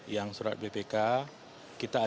yang surat bpk kita ada